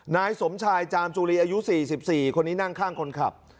นายสมชายจามจุลีอายุ๔๔คนนี้นั่งข้างคนขับ